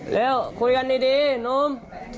แล้วคุยกันดีนุ่ม